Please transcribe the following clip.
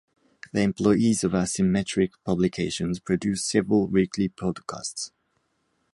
The employees of Asymmetric Publications produce several weekly podcasts.